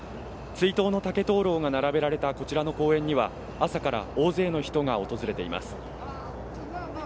追悼の竹灯籠が並べられたこちらの公園には朝から大勢の人が訪れています